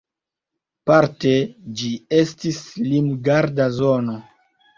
Parte ĝi estis limgarda zono.